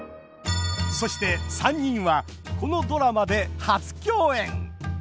そして３人はこのドラマで初共演！